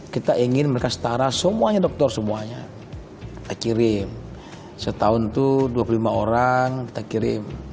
kita inginharakan semuanya dokter semuanya terim sepah untuk dua puluh lima orang terkirim